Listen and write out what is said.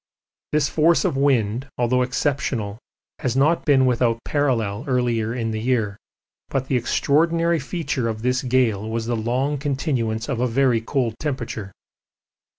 This force of wind, although exceptional, has not been without parallel earlier in the year, but the extraordinary feature of this gale was the long continuance of a very cold temperature.